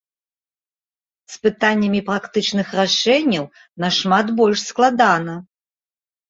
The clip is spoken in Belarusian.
З пытаннямі практычных рашэнняў нашмат больш складана.